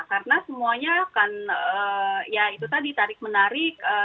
karena semuanya akan ya itu tadi tarik menarik